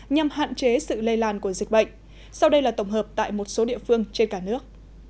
nhằm hạn chế sự lây lan của dịch bệnh sau đây là tổng hợp tại một số địa phương trên cả nước